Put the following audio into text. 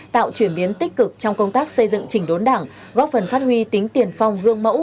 tạo chuyển biến tích cực trong công tác xây dựng chỉnh đốn đảng góp phần phát huy tính tiền phong gương mẫu